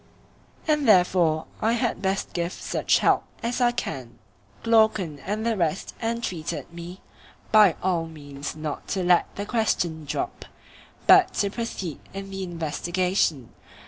And therefore I had best give such help as I can. Glaucon and the rest entreated me by all means not to let the question drop, but to proceed in the investigation.